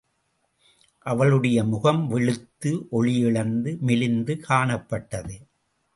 அவளுடைய முகம் வெளுத்து, ஒளியிழந்து மெலிந்து காணப்பட்டது.